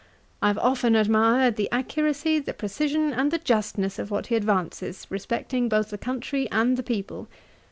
I have often admired the accuracy, the precision, and the justness of what he advances, respecting both the country and the people.